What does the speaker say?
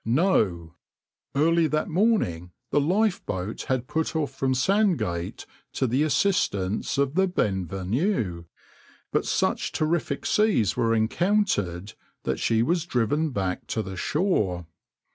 No! Early that morning the lifeboat had put off from Sandgate to the assistance of the {\itshape{Benvenue}}, but such terrific seas were encountered that she was driven back to the shore.